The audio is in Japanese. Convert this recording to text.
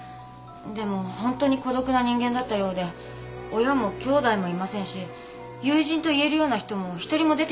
でもホントに孤独な人間だったようで親も兄弟もいませんし友人といえるような人も一人も出てきませんでした。